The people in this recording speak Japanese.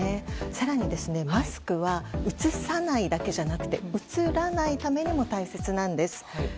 更にマスクはうつさないだけじゃなくてうつらないためにも大切なんです。